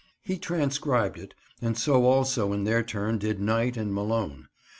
He transcribed it, and so also in their turn did Knight and Malone.